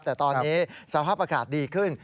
แต่ตอนนี้สภาพอากาศดีขึ้น